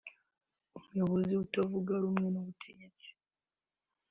umuyobozi utavuga rumwe n’ubutegetsi